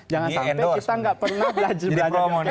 jangan sampai kita nggak pernah belanja di oke oke